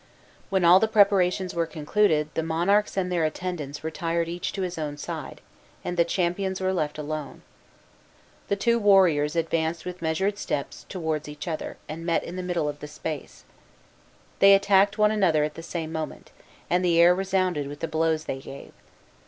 When all the preparations were concluded the monarchs and their attendants retired each to his own side, and the champions were left alone. The two warriors advanced with measured steps towards each other, and met in the middle of the space. They attacked one another at the same moment, and the air resounded with the blows they gave.